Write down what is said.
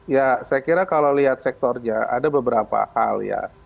ya saya kira kalau lihat sektornya ada beberapa hal ya